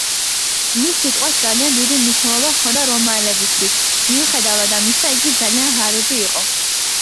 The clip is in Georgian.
მის სიტყვას ძალიან დიდი მნიშვნელობა ჰქონდა რომაელებისთვის, მიუხედავად ამისა იგი ძალიან ღარიბი იყო.